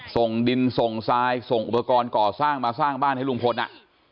ส่งดินส่งทรายส่งอุปกรณ์ก่อสร้างมาสร้างบ้านให้ลุงพลอ่ะ